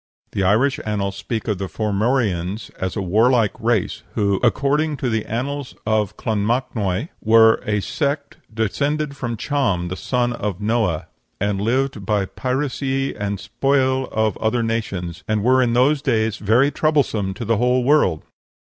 The Irish annals speak of the Formorians as a warlike race, who, according to the "Annals of Clonmacnois," "were a sept descended from Cham, the son of Noeh, and lived by pyracie and spoile of other nations, and were in those days very troublesome to the whole world."